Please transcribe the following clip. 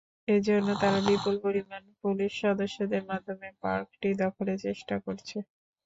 এজন্য তারা বিপুল পরিমাণ পুলিশ সদস্যদের মাধ্যমে পার্কটি দখলের চেষ্টা করছে।